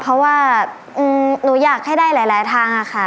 เพราะว่าหนูอยากให้ได้หลายทางค่ะ